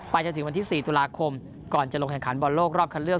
จนถึงวันที่๔ตุลาคมก่อนจะลงแข่งขันบอลโลกรอบคันเลือก